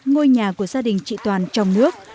ngôi nhà của gia đình chị toàn trong nước